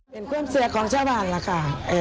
เป็นความเสียของชาวบ้านล่ะค่ะ